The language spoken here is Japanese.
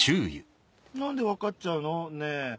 え何で分かっちゃうの？ねぇ。